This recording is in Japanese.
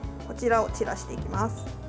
こちらを散らしていきます。